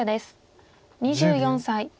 ２４歳。